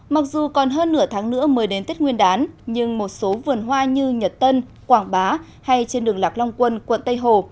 mặc dù còn hơn nửa tháng nữa mới đến tết nguyên đán nhưng một số vườn hoa như nhật tân quảng bá hay trên đường lạc long quân quận tây hồ